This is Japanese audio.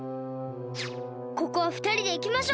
ここはふたりでいきましょう！